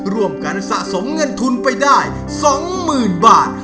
ร่วมกันสะสมเงินทุนไปได้สองหมื่นบาท